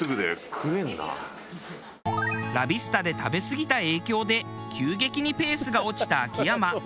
ラビスタで食べすぎた影響で急激にペースが落ちた秋山。